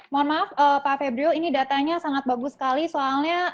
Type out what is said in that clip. mohon maaf pak febrio ini datanya sangat bagus sekali soalnya